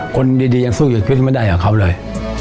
คนดียังสู้อยู่ขึ้นไม่ได้กับเขาเลย